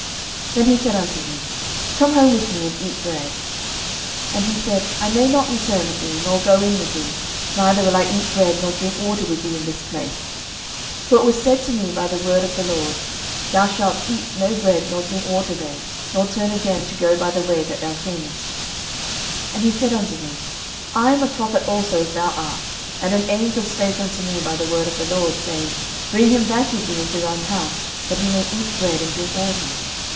11:013:015 Then he said unto him, Come home with me, and eat bread. 11:013:016 And he said, I may not return with thee, nor go in with thee: neither will I eat bread nor drink water with thee in this place: 11:013:017 For it was said to me by the word of the LORD, Thou shalt eat no bread nor drink water there, nor turn again to go by the way that thou camest. 11:013:018 He said unto him, I am a prophet also as thou art; and an angel spake unto me by the word of the LORD, saying, Bring him back with thee into thine house, that he may eat bread and drink water.